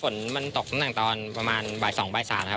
ฝนมันตกตั้งแต่ตอนประมาณบ่าย๒บ่าย๓ครับ